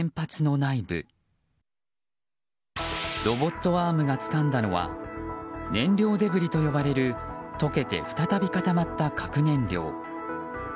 ロボットアームがつかんだのは燃料デブリと呼ばれる溶けて再び固まった核燃料。